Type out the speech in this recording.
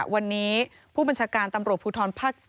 วันนี้ผู้บัญชาการตำรวจภูทรภาค๗